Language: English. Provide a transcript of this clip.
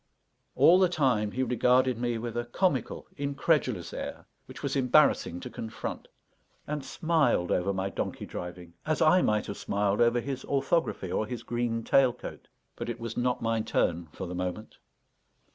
All the time, he regarded me with a comical, incredulous air, which was embarrassing to confront; and smiled over my donkey driving, as I might have smiled over his orthography, or his green tail coat. But it was not my turn for the moment.